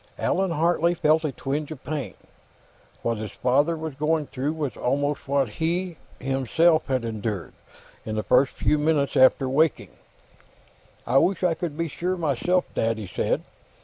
Allan Hartley felt a twinge of pain. What his father was going through was almost what he, himself, had endured, in the first few minutes after waking. "I wish I could be sure, myself, Dad," he said.